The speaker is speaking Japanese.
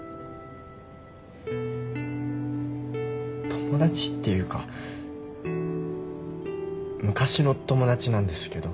友達っていうか昔の友達なんですけど。